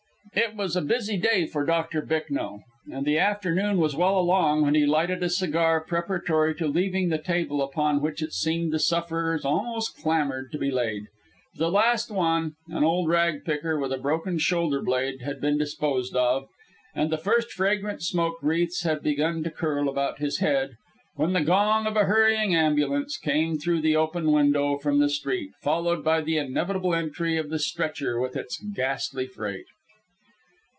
It was a busy day for Doctor Bicknell, and the afternoon was well along when he lighted a cigar preparatory to leaving the table upon which it seemed the sufferers almost clamoured to be laid. But the last one, an old rag picker with a broken shoulder blade, had been disposed of, and the first fragrant smoke wreaths had begun to curl about his head, when the gong of a hurrying ambulance came through the open window from the street, followed by the inevitable entry of the stretcher with its ghastly freight.